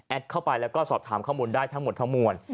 เข้าไปแล้วก็สอบถามข้อมูลได้ทั้งหมดทั้งมวล